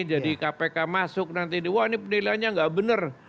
jadi kpk masuk nanti wah ini penilaiannya enggak benar